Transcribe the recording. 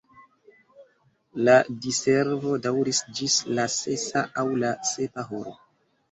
La diservo daŭris ĝis la sesa aŭ la sepa horo.